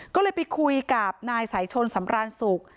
ก็เลยไปคุยกับนายสายชนสำรานสุข